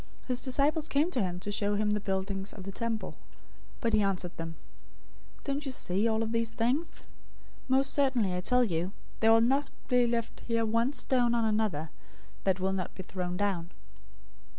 His disciples came to him to show him the buildings of the temple. 024:002 But he answered them, "Don't you see all of these things? Most certainly I tell you, there will not be left here one stone on another, that will not be thrown down."